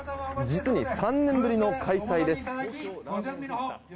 実に３年ぶりの開催です。